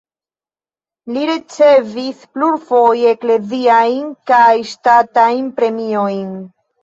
Li ricevis plurfoje ekleziajn kaj ŝtatajn premiojn.